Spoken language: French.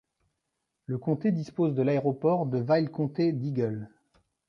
Le comté dispose de l'aéroport de Vail-comté d'Eagle.